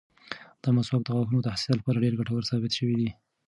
دا مسواک د غاښونو د حساسیت لپاره ډېر ګټور ثابت شوی دی.